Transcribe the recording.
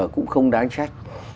cũng không đáng trách